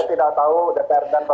tidak tahu dpr dan pemerintah